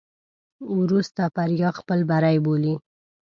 ورور ستا بریا خپل بری بولي.